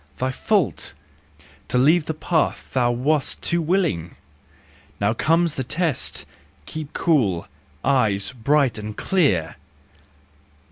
" Thy fault! To leave the path thou wast too willing! Now comes the test! Keep cool—eyes bright and clear!